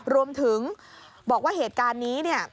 รวมถึงบอกว่าเหตุการณ์นี้เนี่ย